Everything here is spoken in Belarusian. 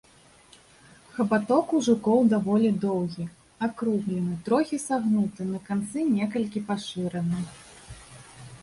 Хабаток ў жукоў даволі доўгі, акруглены, трохі сагнуты, на канцы некалькі пашыраны.